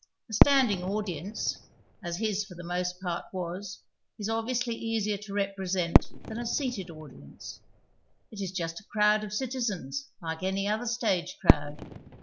A standing audience, as his for the most part was, is obviously easier to represent than a seated audi ence ; it is just a crowd of " citizens " like any other stage crowd.